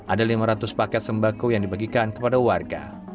ada lima ratus paket sembako yang dibagikan kepada warga